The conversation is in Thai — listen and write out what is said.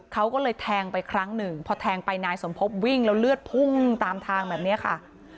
เขาก็เลยแทงไปครั้งหนึ่งพอแทงไปนายสมพบวิ่งแล้วเลือดพุ่งตามทางแบบนี้ค่ะ